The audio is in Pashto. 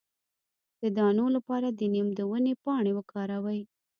د دانو لپاره د نیم د ونې پاڼې وکاروئ